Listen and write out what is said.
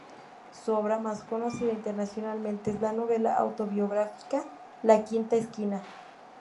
Su obra más conocida internacionalmente es la novela autobiográfica "La quinta esquina".